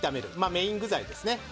メイン具材ですね。